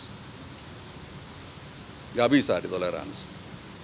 enggak bisa ditoleransi